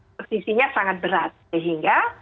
posisinya sangat berat sehingga